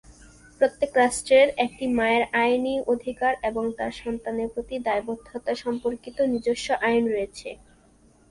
প্রত্যেক রাষ্ট্রের একটি মায়ের আইনি অধিকার এবং তার সন্তানের প্রতি দায়বদ্ধতা সম্পর্কিত নিজস্ব আইন রয়েছে।